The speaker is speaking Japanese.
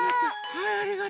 はい。